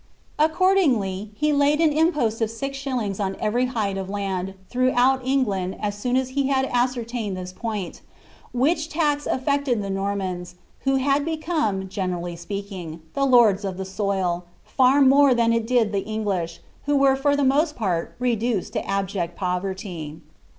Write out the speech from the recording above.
Accordingly, he aid an impost of six shillings on every hide of land' throughout England IS soon as he had ascertained this point ; which tax affected the Nor nans, who had become, generally speaking, the lords of the soil, far nore than it did the Engush, who were for the most part reduced to kbject poverty.